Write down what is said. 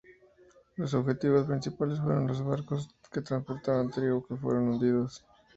Los objetivos principales fueron los barcos que transportaban trigo, que fueron hundidos.